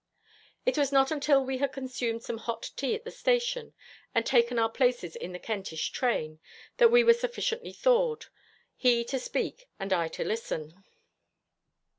It was not until we had consumed some hot tea at the station and taken our places in the Kentish train that we were sufficiently thawed, he to speak and I to listen.